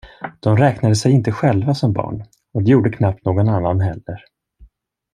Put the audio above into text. De räknade sig inte själva som barn och det gjorde knappt någon annan heller.